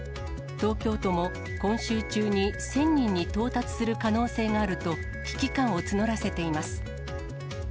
東京都も今週中に１０００人に到達する可能性があると、危機感を募らせています。